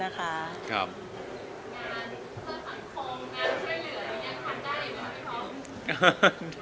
งานสร้างผังคงงานช่วยเหลืออย่างนี้ทำได้หรือไม่พร้อม